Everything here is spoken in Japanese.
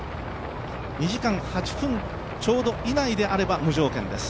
２時間８分ちょうど以内であれば無条件です。